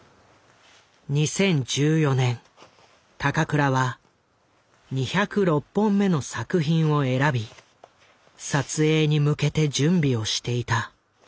２０１４年高倉は２０６本目の作品を選び撮影に向けて準備をしていた。